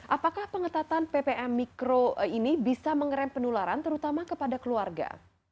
apakah pengetatan ppkm mikro ini bisa mengeram penularan terutama kepada keluarga